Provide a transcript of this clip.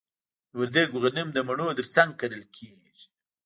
د وردګو غنم د مڼو ترڅنګ کرل کیږي.